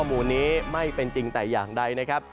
ไม่เป็นจริงแต่อย่างใดนะครับ